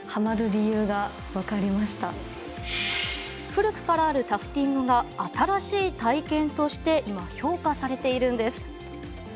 古くからあるタフティングが新しい体験として今、評価されているんです。